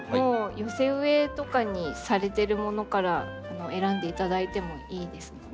寄せ植えとかにされてるものから選んでいただいてもいいですので。